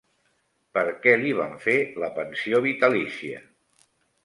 Per què li van fer la pensió vitalícia?